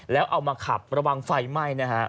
แล้วเอามาขับระวังไฟไหม้นะฮะ